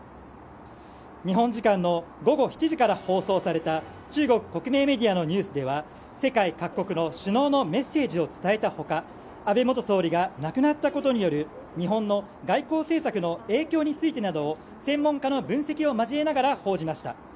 日本時間の午後７時から放送された中国国内メディアのニュースでは世界各国の首脳のメッセージを伝えた他安倍元総理が亡くなったことによる日本の外交政策の影響についてなど専門家の分析を交えながら報じました。